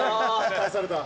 返された。